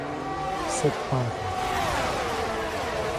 Sete Barras